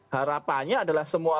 harapannya adalah semua